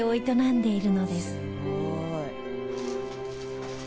すごい。